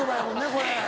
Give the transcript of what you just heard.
これ。